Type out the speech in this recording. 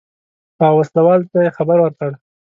اوسلوال ته یې خبر ورکړ.